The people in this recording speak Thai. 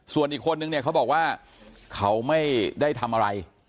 ส่วนอีกคนนึงเนี่ยเขาบอกว่าเขาไม่ได้ทำอะไร